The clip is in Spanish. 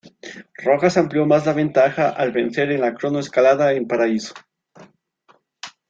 Rojas amplió más la ventaja al vencer en la cronoescalada en Paraíso.